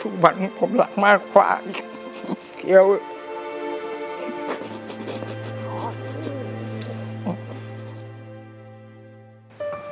ทุกวันผมรักมากกว่าแค่ว่า